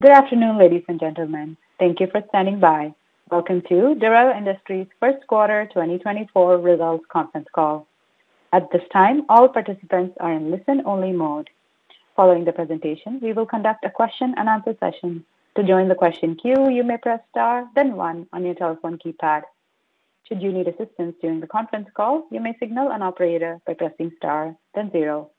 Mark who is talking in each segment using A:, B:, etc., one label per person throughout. A: Good afternoon, ladies and gentlemen. Thank you for standing by. Welcome to Dorel Industries' first quarter 2024 results conference call. At this time, all participants are in listen-only mode. Following the presentation, we will conduct a question-and-answer session. To join the question queue, you may press star, then one on your telephone keypad. Should you need assistance during the conference call, you may signal an operator by pressing star, then zero.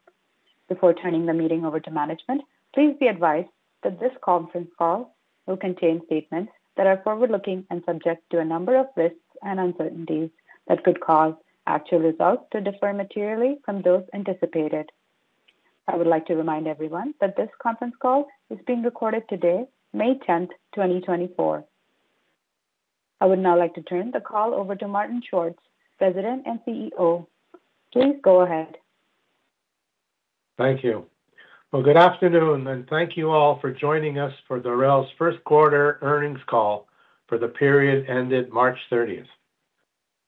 A: Before turning the meeting over to management, please be advised that this conference call will contain statements that are forward-looking and subject to a number of risks and uncertainties that could cause actual results to differ materially from those anticipated. I would like to remind everyone that this conference call is being recorded today, May 10th, 2024. I would now like to turn the call over to Martin Schwartz, President and CEO. Please go ahead.
B: Thank you. Well, good afternoon, and thank you all for joining us for Dorel's first quarter earnings call for the period ended March 30th.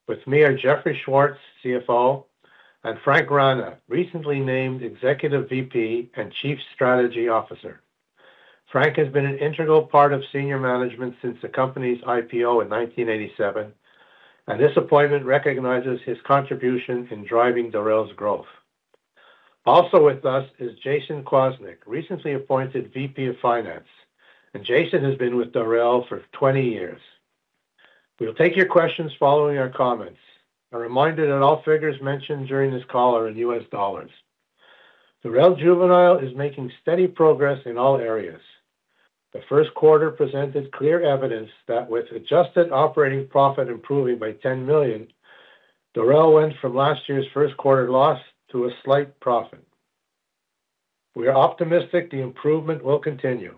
B: With me are Jeffrey Schwartz, CFO, and Frank Rana, recently named Executive VP and Chief Strategy Officer. Frank has been an integral part of senior management since the company's IPO in 1987, and this appointment recognizes his contribution in driving Dorel's growth. Also with us is Jason Kwasnik, recently appointed VP of Finance, and Jason has been with Dorel for 20 years. We'll take your questions following our comments. A reminder that all figures mentioned during this call are in U.S. dollars. Dorel Juvenile is making steady progress in all areas. The first quarter presented clear evidence that with adjusted operating profit improving by $10 million, Dorel went from last year's first quarter loss to a slight profit. We are optimistic the improvement will continue.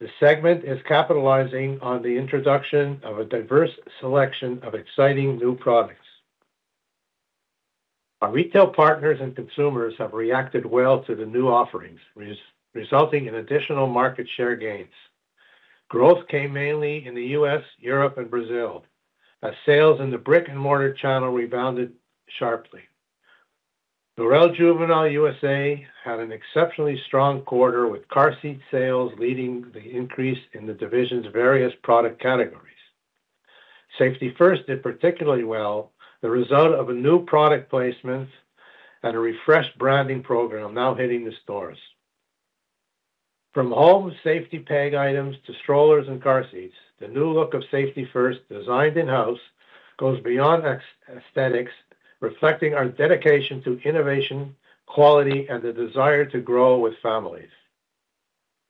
B: The segment is capitalizing on the introduction of a diverse selection of exciting new products. Our retail partners and consumers have reacted well to the new offerings, resulting in additional market share gains. Growth came mainly in the U.S., Europe, and Brazil, as sales in the brick-and-mortar channel rebounded sharply. Dorel Juvenile USA had an exceptionally strong quarter with car seat sales leading the increase in the division's various product categories. Safety 1st did particularly well, the result of a new product placement and a refreshed branding program now hitting the stores. From home safety peg items to strollers and car seats, the new look of Safety 1st, designed in-house, goes beyond aesthetics, reflecting our dedication to innovation, quality, and the desire to grow with families.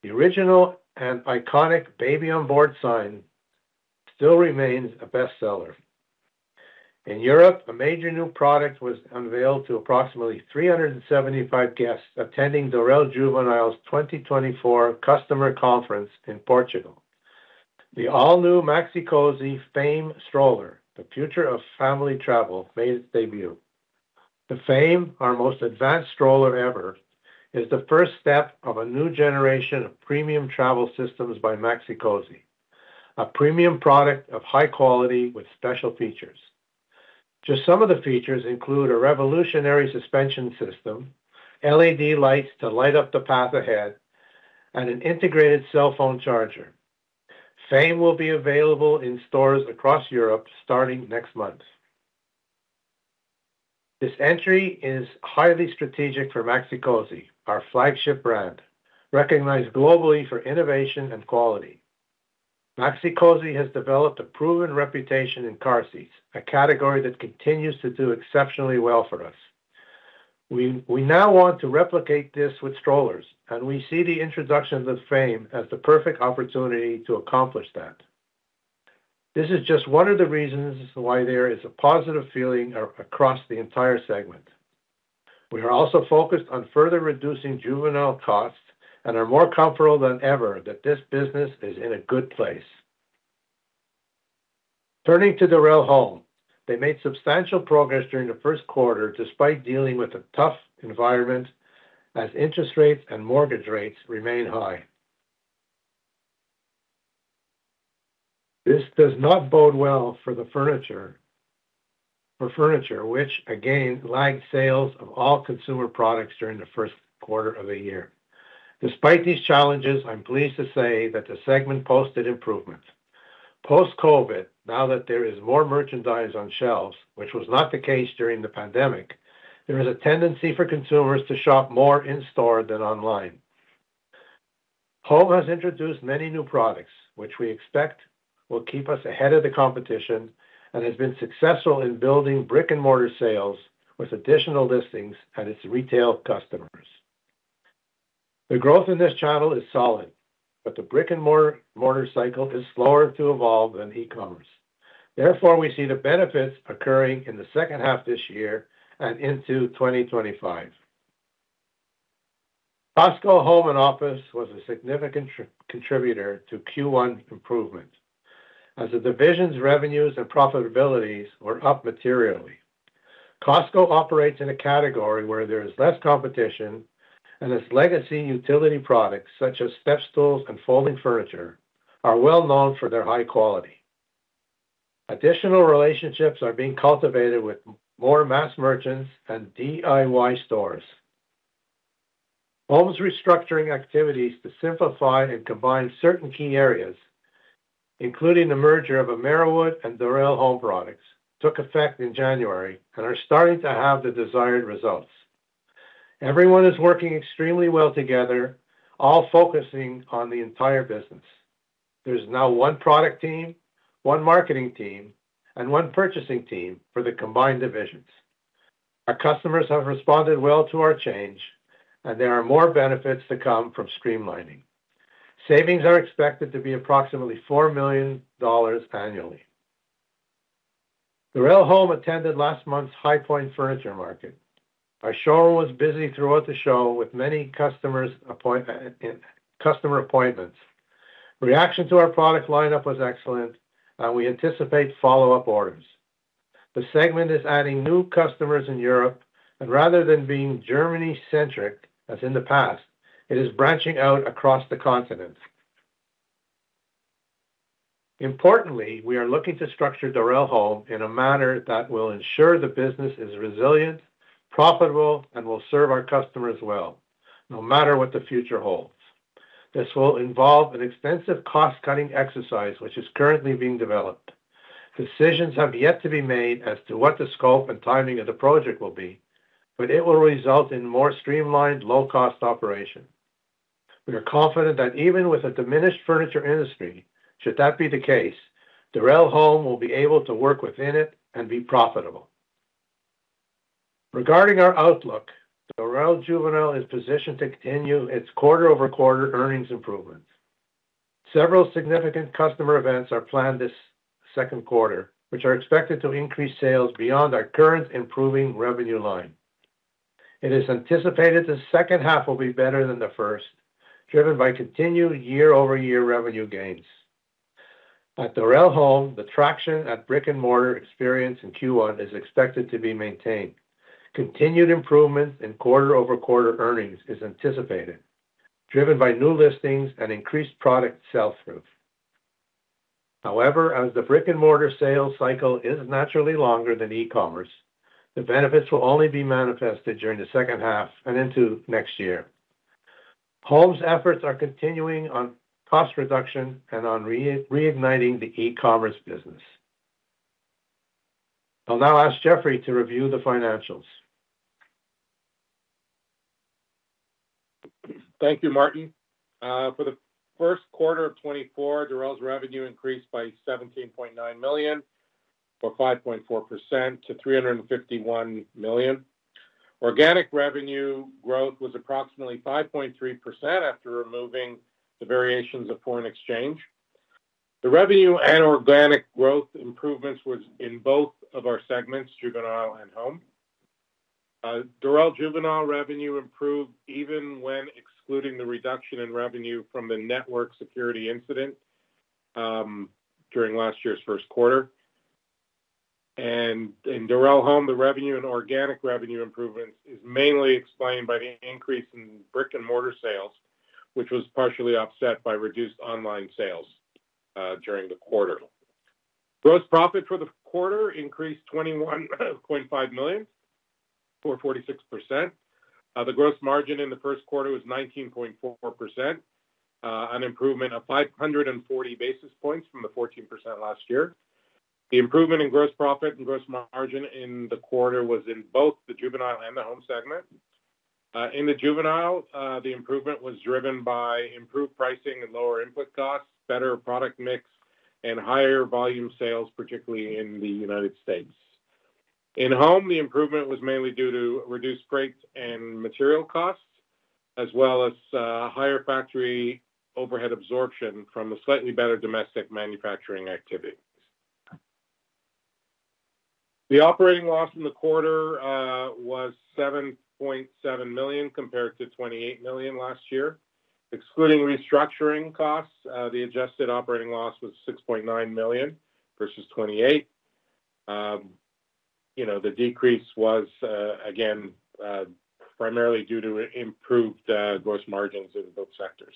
B: The original and iconic "Baby on Board" sign still remains a bestseller. In Europe, a major new product was unveiled to approximately 375 guests attending Dorel Juvenile's 2024 customer conference in Portugal. The all-new Maxi-Cosi Fame stroller, the future of family travel, made its debut. The Fame, our most advanced stroller ever, is the first step of a new generation of premium travel systems by Maxi-Cosi, a premium product of high quality with special features. Just some of the features include a revolutionary suspension system, LED lights to light up the path ahead, and an integrated cell phone charger. Fame will be available in stores across Europe starting next month. This entry is highly strategic for Maxi-Cosi, our flagship brand, recognized globally for innovation and quality. Maxi-Cosi has developed a proven reputation in car seats, a category that continues to do exceptionally well for us. We now want to replicate this with strollers, and we see the introduction of the Fame as the perfect opportunity to accomplish that. This is just one of the reasons why there is a positive feeling across the entire segment. We are also focused on further reducing juvenile costs and are more comfortable than ever that this business is in a good place. Turning to Dorel Home, they made substantial progress during the first quarter despite dealing with a tough environment as interest rates and mortgage rates remain high. This does not bode well for furniture, which, again, lagged sales of all consumer products during the first quarter of the year. Despite these challenges, I'm pleased to say that the segment posted improvements. Post-COVID, now that there is more merchandise on shelves, which was not the case during the pandemic, there is a tendency for consumers to shop more in-store than online. Home has introduced many new products, which we expect will keep us ahead of the competition and has been successful in building brick-and-mortar sales with additional listings at its retail customers. The growth in this channel is solid, but the brick-and-mortar cycle is slower to evolve than e-commerce. Therefore, we see the benefits occurring in the second half this year and into 2025. Cosco Home & Office was a significant contributor to Q1 improvement, as the division's revenues and profitabilities were up materially. Cosco operates in a category where there is less competition, and its legacy utility products such as step stools and folding furniture are well known for their high quality. Additional relationships are being cultivated with more mass merchants and DIY stores. Home's restructuring activities to simplify and combine certain key areas, including the merger of Ameriwood and Dorel Home Products, took effect in January and are starting to have the desired results. Everyone is working extremely well together, all focusing on the entire business. There's now one product team, one marketing team, and one purchasing team for the combined divisions. Our customers have responded well to our change, and there are more benefits to come from streamlining. Savings are expected to be approximately $4 million annually. Dorel Home attended last month's High Point Furniture Market. Our showroom was busy throughout the show with many customer appointments. Reaction to our product lineup was excellent, and we anticipate follow-up orders. The segment is adding new customers in Europe, and rather than being Germany-centric as in the past, it is branching out across the continent. Importantly, we are looking to structure Dorel Home in a manner that will ensure the business is resilient, profitable, and will serve our customers well, no matter what the future holds. This will involve an extensive cost-cutting exercise, which is currently being developed. Decisions have yet to be made as to what the scope and timing of the project will be, but it will result in more streamlined, low-cost operation. We are confident that even with a diminished furniture industry, should that be the case, Dorel Home will be able to work within it and be profitable. Regarding our outlook, Dorel Juvenile is positioned to continue its quarter-over-quarter earnings improvements. Several significant customer events are planned this second quarter, which are expected to increase sales beyond our current improving revenue line. It is anticipated the second half will be better than the first, driven by continued year-over-year revenue gains. At Dorel Home, the traction at brick-and-mortar experience in Q1 is expected to be maintained. Continued improvement in quarter-over-quarter earnings is anticipated, driven by new listings and increased product sales growth. However, as the brick-and-mortar sales cycle is naturally longer than e-commerce, the benefits will only be manifested during the second half and into next year. Home's efforts are continuing on cost reduction and on reigniting the e-commerce business. I'll now ask Jeffrey to review the financials.
C: Thank you, Martin. For the first quarter of 2024, Dorel's revenue increased by $17.9 million, or 5.4%, to $351 million. Organic revenue growth was approximately 5.3% after removing the variations of foreign exchange. The revenue and organic growth improvements were in both of our segments, Juvenile and Home. Dorel Juvenile revenue improved even when excluding the reduction in revenue from the network security incident during last year's first quarter. And in Dorel Home, the revenue and organic revenue improvements are mainly explained by the increase in brick-and-mortar sales, which was partially offset by reduced online sales during the quarter. Gross profit for the quarter increased $21.5 million, or 46%. The gross margin in the first quarter was 19.4%, an improvement of 540 basis points from the 14% last year. The improvement in gross profit and gross margin in the quarter was in both the Juvenile and the Home segment. In the Juvenile, the improvement was driven by improved pricing and lower input costs, better product mix, and higher volume sales, particularly in the United States. In Home, the improvement was mainly due to reduced freight and material costs, as well as higher factory overhead absorption from the slightly better domestic manufacturing activities. The operating loss in the quarter was $7.7 million compared to $28 million last year. Excluding restructuring costs, the adjusted operating loss was $6.9 million versus $28 million. The decrease was, again, primarily due to improved gross margins in both sectors.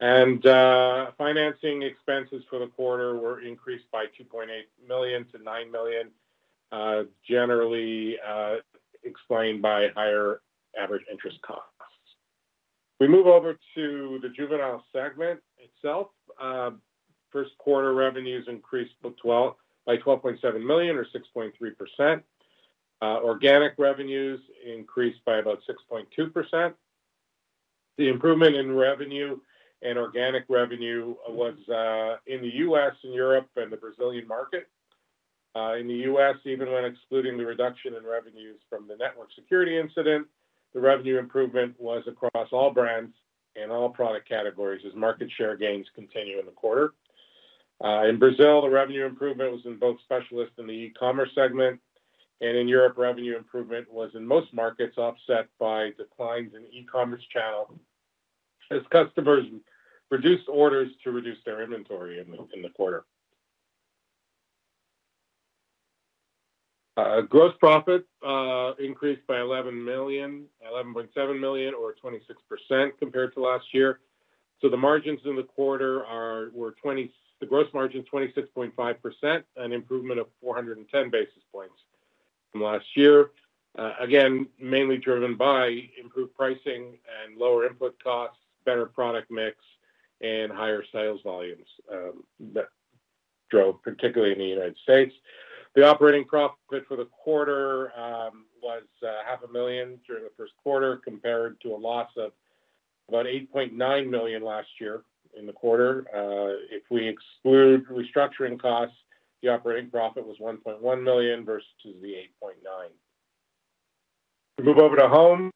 C: Financing expenses for the quarter were increased by $2.8 million to $9 million, generally explained by higher average interest costs. If we move over to the Juvenile segment itself, first quarter revenues increased by $12.7 million, or 6.3%. Organic revenues increased by about 6.2%. The improvement in revenue and organic revenue was in the U.S., in Europe, and the Brazilian market. In the U.S., even when excluding the reduction in revenues from the network security incident, the revenue improvement was across all brands and all product categories as market share gains continue in the quarter. In Brazil, the revenue improvement was in both specialists in the e-commerce segment, and in Europe, revenue improvement was in most markets offset by declines in e-commerce channel as customers reduced orders to reduce their inventory in the quarter. Gross profit increased by $11.7 million, or 26%, compared to last year. So the margins in the quarter were gross margin 26.5%, an improvement of 410 basis points from last year, again, mainly driven by improved pricing and lower input costs, better product mix, and higher sales volumes that drove, particularly in the United States. The operating profit for the quarter was $0.5 million during the first quarter compared to a loss of about $8.9 million last year in the quarter. If we exclude restructuring costs, the operating profit was $1.1 million versus the $8.9 million. If we move over to Home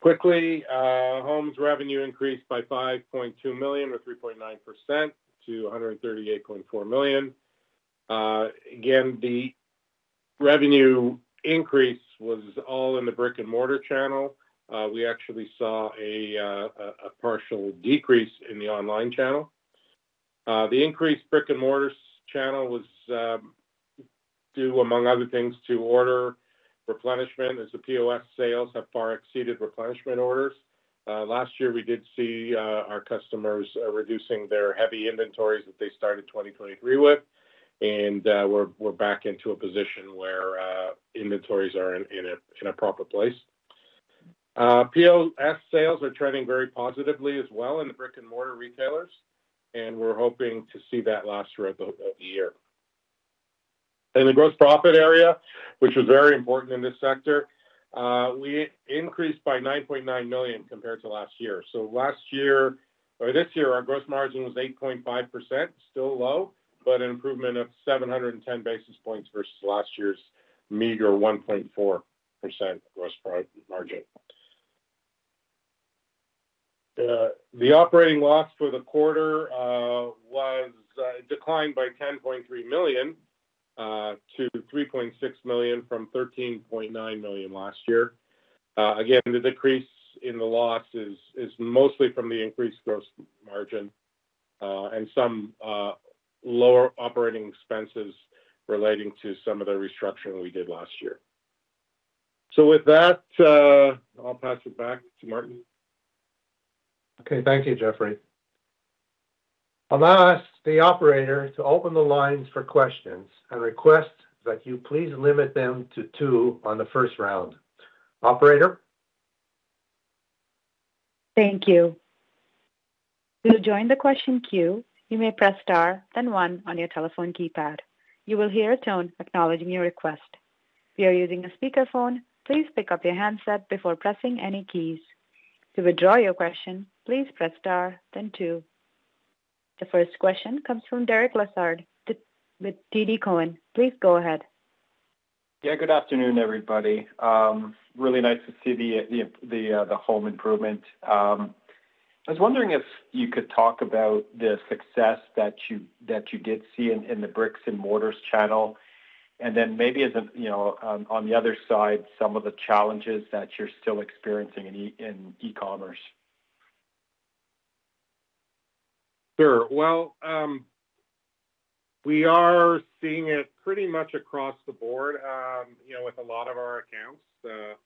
C: quickly, Home's revenue increased by $5.2 million, or 3.9%, to $138.4 million. Again, the revenue increase was all in the brick-and-mortar channel. We actually saw a partial decrease in the online channel. The increased brick-and-mortar channel was due, among other things, to order replenishment as the POS sales have far exceeded replenishment orders. Last year, we did see our customers reducing their heavy inventories that they started 2023 with, and we're back into a position where inventories are in a proper place. POS sales are trending very positively as well in the brick-and-mortar retailers, and we're hoping to see that last throughout the year. In the gross profit area, which was very important in this sector, we increased by $9.9 million compared to last year. So last year or this year, our gross margin was 8.5%, still low, but an improvement of 710 basis points versus last year's meager 1.4% gross margin. The operating loss for the quarter declined by $10.3 million to $3.6 million from $13.9 million last year. Again, the decrease in the loss is mostly from the increased gross margin and some lower operating expenses relating to some of the restructuring we did last year. So with that, I'll pass it back to Martin.
B: Okay. Thank you, Jeffrey. I'll now ask the operator to open the lines for questions and request that you please limit them to two on the first round. Operator?
A: Thank you. To join the question queue, you may press star, then one, on your telephone keypad. You will hear a tone acknowledging your request. If you are using a speakerphone, please pick up your handset before pressing any keys. To withdraw your question, please press star, then two. The first question comes from Derek Lessard with TD Cowen. Please go ahead.
D: Yeah. Good afternoon, everybody. Really nice to see the home improvement. I was wondering if you could talk about the success that you did see in the brick-and-mortar channel and then maybe, on the other side, some of the challenges that you're still experiencing in e-commerce.
C: Sure. Well, we are seeing it pretty much across the board with a lot of our accounts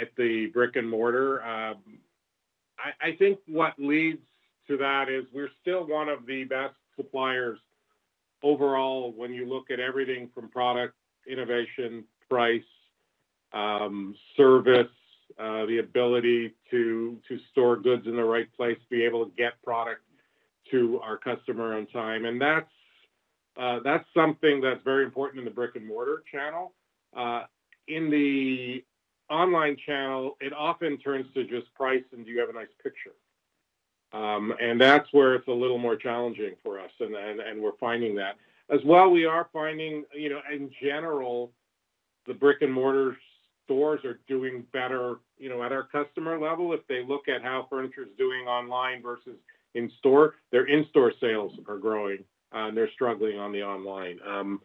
C: at the brick-and-mortar. I think what leads to that is we're still one of the best suppliers overall when you look at everything from product innovation, price, service, the ability to store goods in the right place, be able to get product to our customer on time. And that's something that's very important in the brick-and-mortar channel. In the online channel, it often turns to just price and, "Do you have a nice picture?" And that's where it's a little more challenging for us, and we're finding that. As well, we are finding, in general, the brick-and-mortar stores are doing better at our customer level. If they look at how furniture's doing online versus in-store, their in-store sales are growing, and they're struggling on the online.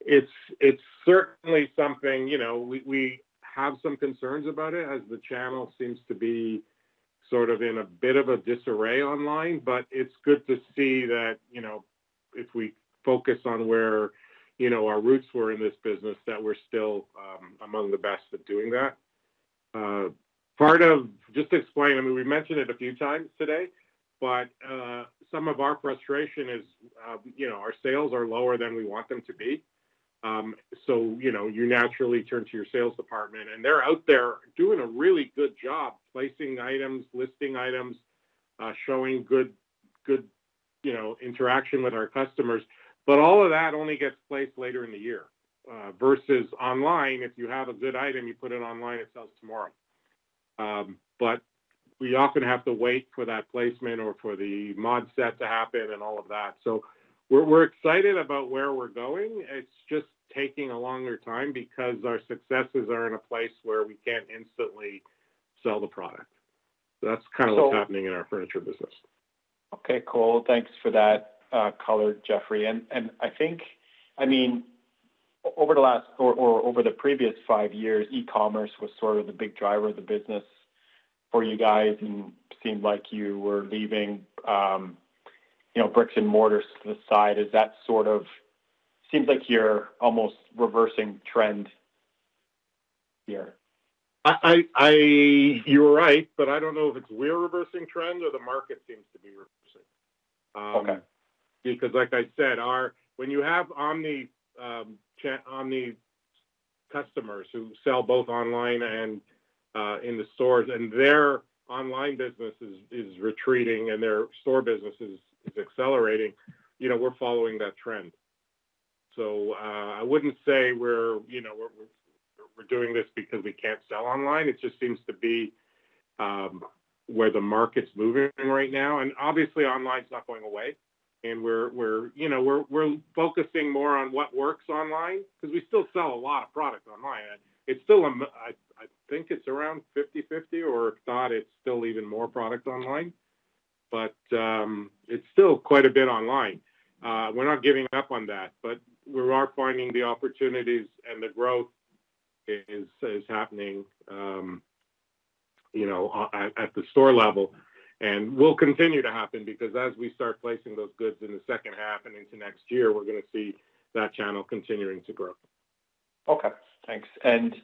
C: It's certainly something we have some concerns about it as the channel seems to be sort of in a bit of a disarray online. But it's good to see that if we focus on where our roots were in this business, that we're still among the best at doing that. Just to explain, I mean, we mentioned it a few times today, but some of our frustration is our sales are lower than we want them to be. So you naturally turn to your sales department, and they're out there doing a really good job placing items, listing items, showing good interaction with our customers. But all of that only gets placed later in the year versus online. If you have a good item, you put it online, it sells tomorrow. But we often have to wait for that placement or for the mod set to happen and all of that. So we're excited about where we're going. It's just taking a longer time because our successes are in a place where we can't instantly sell the product. That's kind of what's happening in our furniture business.
D: Okay. Cool. Thanks for that color, Jeffrey. I mean, over the last or over the previous five years, e-commerce was sort of the big driver of the business for you guys and seemed like you were leaving brick-and-mortar to the side. It seems like you're almost reversing trend here.
C: You're right, but I don't know if it's we're reversing trend or the market seems to be reversing. Because, like I said, when you have omni-customers who sell both online and in the stores, and their online business is retreating and their store business is accelerating, we're following that trend. So I wouldn't say we're doing this because we can't sell online. It just seems to be where the market's moving right now. And obviously, online's not going away, and we're focusing more on what works online because we still sell a lot of product online. I think it's around 50/50, or if not, it's still even more product online. But it's still quite a bit online. We're not giving up on that, but we are finding the opportunities, and the growth is happening at the store level. Will continue to happen, because as we start placing those goods in the second half and into next year, we're going to see that channel continuing to grow.
D: Okay. Thanks. And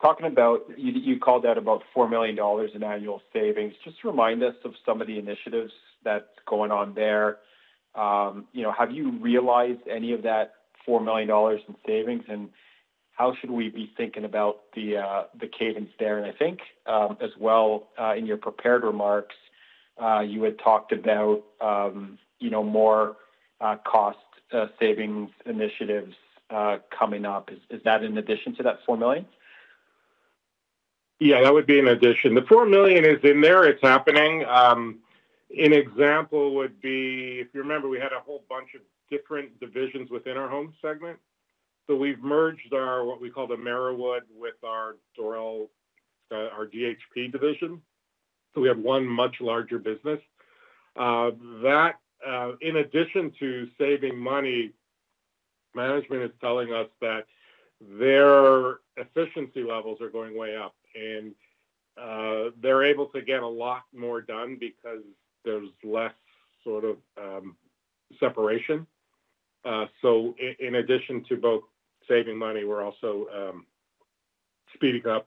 D: talking about you called out about $4 million in annual savings. Just remind us of some of the initiatives that's going on there. Have you realized any of that $4 million in savings, and how should we be thinking about the cadence there? And I think as well, in your prepared remarks, you had talked about more cost-savings initiatives coming up. Is that in addition to that $4 million?
C: Yeah. That would be in addition. The $4 million is in there. It's happening. An example would be, if you remember, we had a whole bunch of different divisions within our Home segment. So we've merged what we call the Ameriwood with our DHP division. So we have one much larger business. In addition to saving money, management is telling us that their efficiency levels are going way up, and they're able to get a lot more done because there's less sort of separation. So in addition to both saving money, we're also speeding up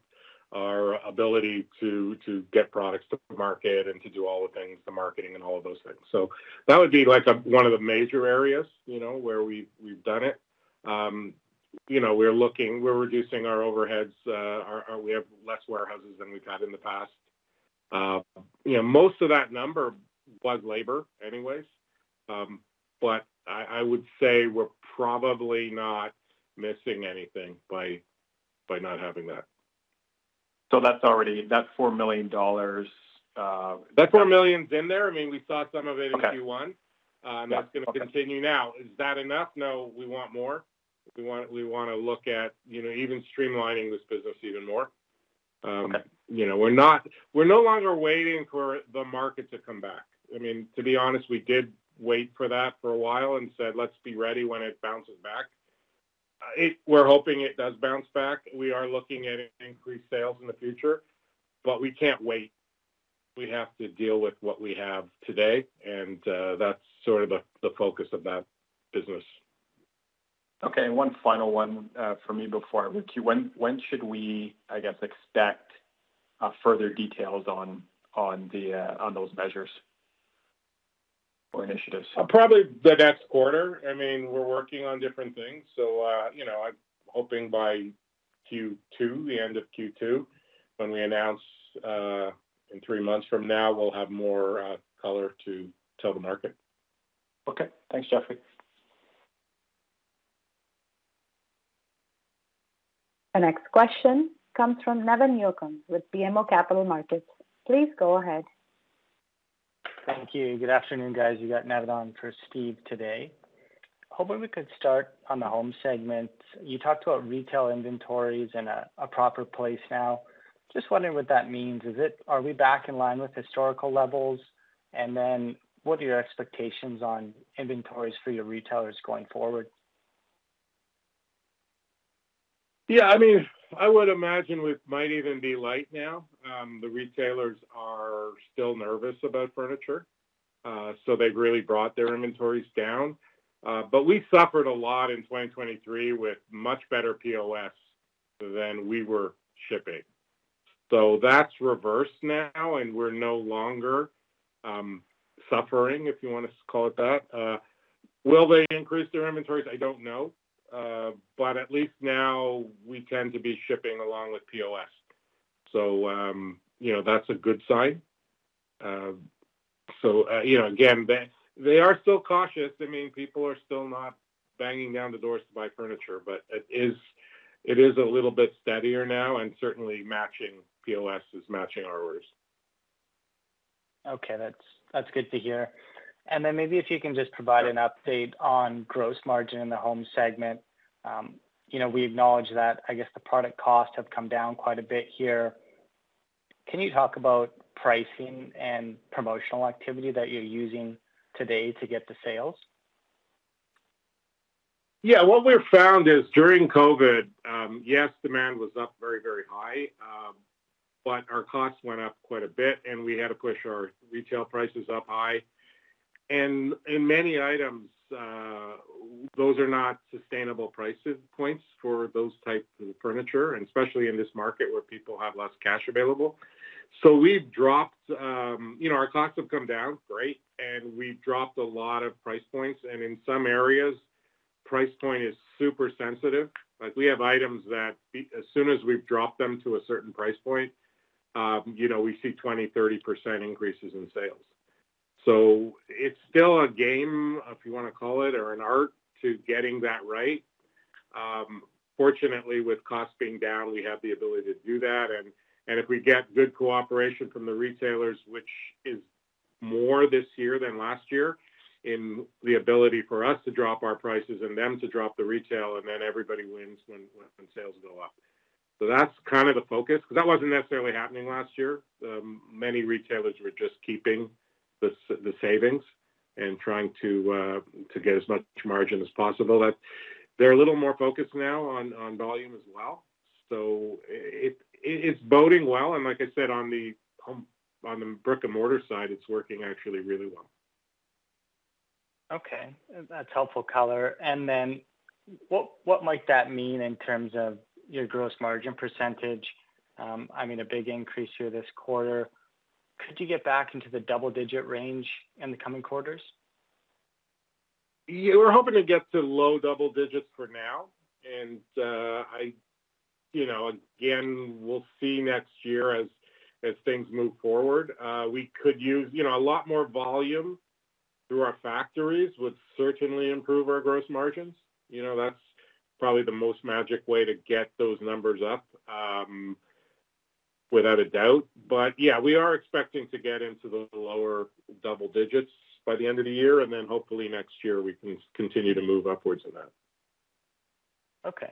C: our ability to get products to the market and to do all the things, the marketing and all of those things. So that would be one of the major areas where we've done it. We're reducing our overheads. We have less warehouses than we've had in the past. Most of that number was labor anyways, but I would say we're probably not missing anything by not having that.
D: So that $4 million is going to.
C: That $4 million's in there. I mean, we saw some of it in Q1, and that's going to continue now. Is that enough? No, we want more. We want to look at even streamlining this business even more. We're no longer waiting for the market to come back. I mean, to be honest, we did wait for that for a while and said, "Let's be ready when it bounces back." We're hoping it does bounce back. We are looking at increased sales in the future, but we can't wait. We have to deal with what we have today, and that's sort of the focus of that business.
D: Okay. One final one for me before I read to you. When should we, I guess, expect further details on those measures or initiatives?
C: Probably the next quarter. I mean, we're working on different things. So I'm hoping by Q2, the end of Q2, when we announce in three months from now, we'll have more color to tell the market.
D: Okay. Thanks, Jeffrey.
A: The next question comes from [Nevin Lakhani] with BMO Capital Markets. Please go ahead. Thank you. Good afternoon, guys. You got Nevin on for Steve today. Hoping we could start on the Home segment. You talked about retail inventories and a proper place now. Just wondering what that means. Are we back in line with historical levels, and then what are your expectations on inventories for your retailers going forward?
C: Yeah. I mean, I would imagine we might even be light now. The retailers are still nervous about furniture, so they've really brought their inventories down. But we suffered a lot in 2023 with much better POS than we were shipping. So that's reversed now, and we're no longer suffering, if you want to call it that. Will they increase their inventories? I don't know. But at least now, we tend to be shipping along with POS. So that's a good sign. So again, they are still cautious. I mean, people are still not banging down the doors to buy furniture, but it is a little bit steadier now, and certainly, POS is matching ours.
E: Okay. That's good to hear. And then maybe if you can just provide an update on gross margin in the Home segment. We acknowledge that, I guess, the product costs have come down quite a bit here. Can you talk about pricing and promotional activity that you're using today to get the sales?
C: Yeah. What we've found is during COVID, yes, demand was up very, very high, but our costs went up quite a bit, and we had to push our retail prices up high. In many items, those are not sustainable price points for those types of furniture, especially in this market where people have less cash available. So we've dropped. Our costs have come down, great, and we've dropped a lot of price points. In some areas, price point is super sensitive. We have items that as soon as we've dropped them to a certain price point, we see 20%-30% increases in sales. It's still a game, if you want to call it, or an art to getting that right. Fortunately, with costs being down, we have the ability to do that. And if we get good cooperation from the retailers, which is more this year than last year, in the ability for us to drop our prices and them to drop the retail, and then everybody wins when sales go up. So that's kind of the focus because that wasn't necessarily happening last year. Many retailers were just keeping the savings and trying to get as much margin as possible. They're a little more focused now on volume as well. So it's boding well. And like I said, on the brick-and-mortar side, it's working actually really well.
E: Okay. That's helpful color. And then what might that mean in terms of your gross margin percentage? I mean, a big increase here this quarter. Could you get back into the double-digit range in the coming quarters?
C: Yeah. We're hoping to get to low double digits for now. Again, we'll see next year as things move forward. We could use a lot more volume through our factories. That would certainly improve our gross margins. That's probably the most magic way to get those numbers up, without a doubt. But yeah, we are expecting to get into the lower double digits by the end of the year, and then hopefully, next year, we can continue to move upwards in that.
E: Okay.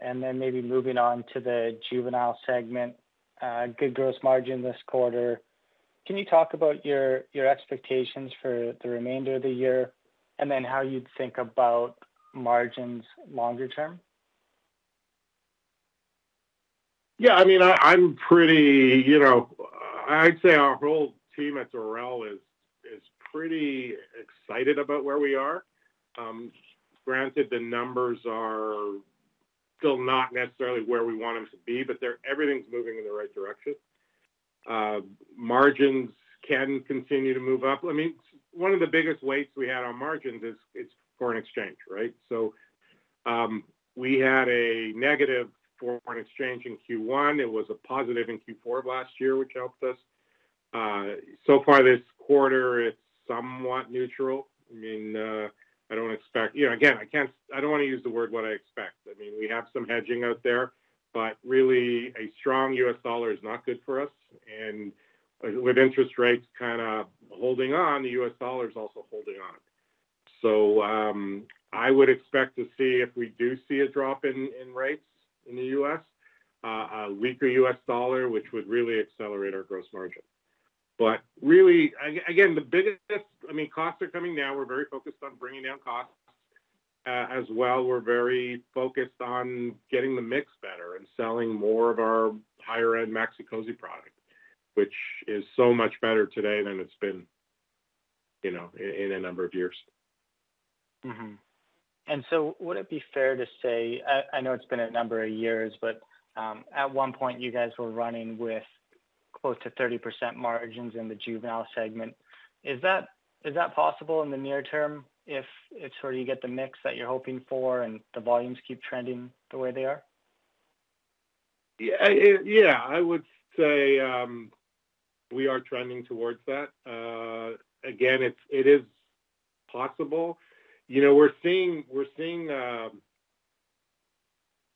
E: Then maybe moving on to the Juvenile segment, good gross margin this quarter. Can you talk about your expectations for the remainder of the year and then how you'd think about margins longer term?
C: Yeah. I mean, I'm pretty, I'd say our whole team at Dorel is pretty excited about where we are. Granted, the numbers are still not necessarily where we want them to be, but everything's moving in the right direction. Margins can continue to move up. I mean, one of the biggest weights we had on margins is foreign exchange, right? So we had a negative foreign exchange in Q1. It was a positive in Q4 of last year, which helped us. So far this quarter, it's somewhat neutral. I mean, I don't expect again, I don't want to use the word what I expect. I mean, we have some hedging out there, but really, a strong U.S. dollar is not good for us. And with interest rates kind of holding on, the U.S. dollar is also holding on. So I would expect to see if we do see a drop in rates in the U.S., a weaker U.S. dollar, which would really accelerate our gross margin. But really, again, the biggest I mean, costs are coming now. We're very focused on bringing down costs as well. We're very focused on getting the mix better and selling more of our higher-end Maxi-Cosi product, which is so much better today than it's been in a number of years.
E: And so would it be fair to say, I know it's been a number of years, but at one point, you guys were running with close to 30% margins in the juvenile segment. Is that possible in the near term if sort of you get the mix that you're hoping for and the volumes keep trending the way they are?
C: Yeah. I would say we are trending towards that. Again, it is possible. We're seeing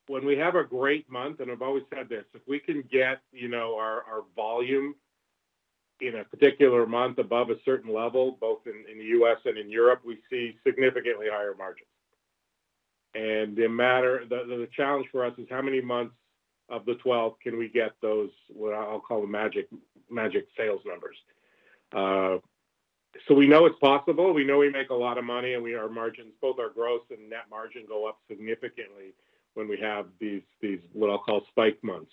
C: when we have a great month, and I've always said this, if we can get our volume in a particular month above a certain level, both in the U.S. and in Europe, we see significantly higher margins. And the challenge for us is how many months of the 12 can we get those, what I'll call, magic sales numbers. So we know it's possible. We know we make a lot of money, and our margins, both our gross and net margin, go up significantly when we have these, what I'll call, spike months.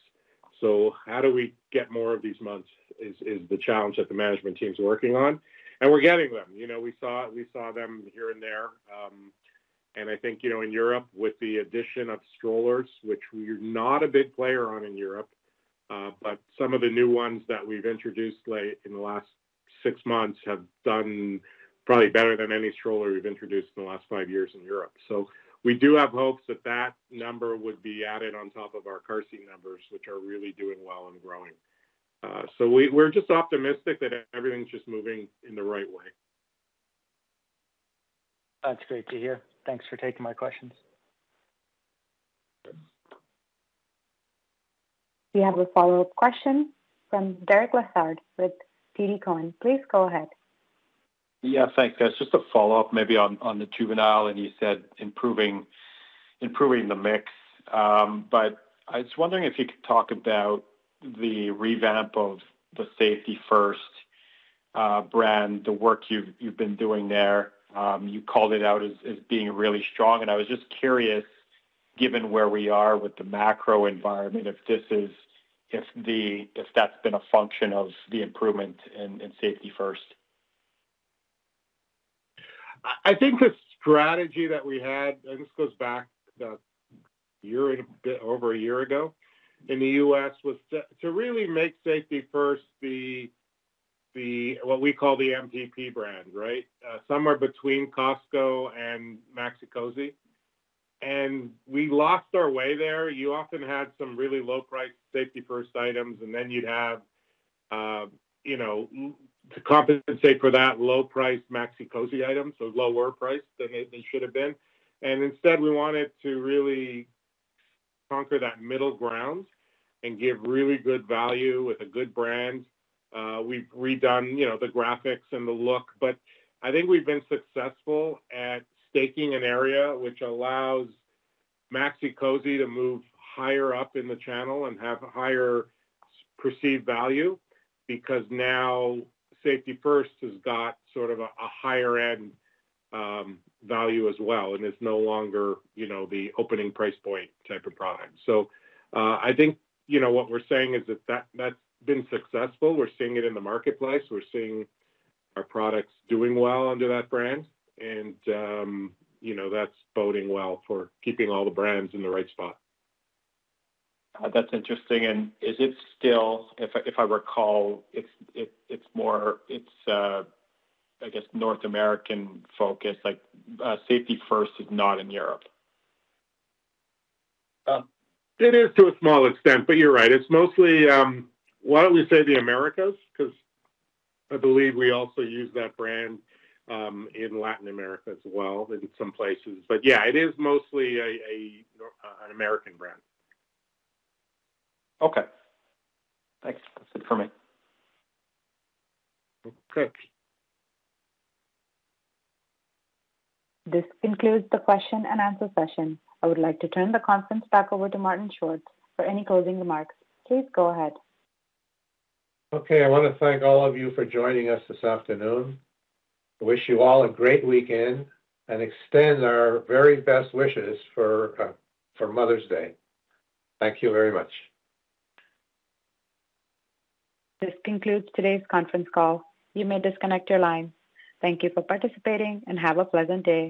C: So how do we get more of these months is the challenge that the management team's working on, and we're getting them. We saw them here and there. I think in Europe, with the addition of strollers, which we're not a big player on in Europe, but some of the new ones that we've introduced in the last six months have done probably better than any stroller we've introduced in the last five years in Europe. So we do have hopes that that number would be added on top of our car seat numbers, which are really doing well and growing. So we're just optimistic that everything's just moving in the right way.
E: That's great to hear. Thanks for taking my questions.
A: Do you have a follow-up question from Derek Lessard with TD Cowen? Please go ahead.
D: Yeah. Thanks, guys. Just a follow-up maybe on the juvenile, and you said improving the mix. But I was wondering if you could talk about the revamp of the Safety 1st brand, the work you've been doing there. You called it out as being really strong. And I was just curious, given where we are with the macro environment, if that's been a function of the improvement in Safety 1st.
C: I think the strategy that we had, and this goes back over a year ago in the U.S., was to really make Safety 1st what we call the MTP brand, right, somewhere between Cosco and Maxi-Cosi. We lost our way there. You often had some really low-priced Safety 1st items, and then you'd have to compensate for that low-priced Maxi-Cosi item, so lower priced than they should have been. Instead, we wanted to really conquer that middle ground and give really good value with a good brand. We've redone the graphics and the look, but I think we've been successful at staking an area, which allows Maxi-Cosi to move higher up in the channel and have higher perceived value because now Safety 1st has got sort of a higher-end value as well and is no longer the opening price point type of product. I think what we're saying is that that's been successful. We're seeing it in the marketplace. We're seeing our products doing well under that brand, and that's boding well for keeping all the brands in the right spot.
D: That's interesting. Is it still, if I recall, it's more, I guess, North American focused? Safety 1st is not in Europe.
C: It is to a small extent, but you're right. It's mostly, why don't we say the Americas? Because I believe we also use that brand in Latin America as well in some places. But yeah, it is mostly an American brand.
D: Okay. Thanks. That's it for me.
C: Okay.
A: This concludes the question and answer session. I would like to turn the conference back over to Martin Schwartz. For any closing remarks, please go ahead.
B: Okay. I want to thank all of you for joining us this afternoon. I wish you all a great weekend and extend our very best wishes for Mother's Day. Thank you very much.
A: This concludes today's conference call. You may disconnect your line. Thank you for participating, and have a pleasant day.